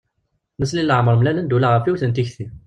Nutni deg leɛmer mlalen-d ula ɣef yiwet n tikti.